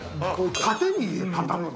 縦に。